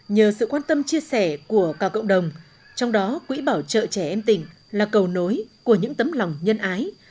nhờ sự quan tâm chia sẻ của cả cộng đồng trong đó quỹ bảo trợ trẻ em tỉnh là cầu nối của những tấm lòng nhân ái